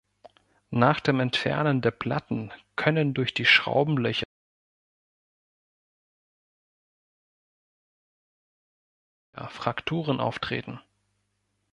Nach dem Entfernen der Platten können durch die Schraubenlöcher Frakturen auftreten.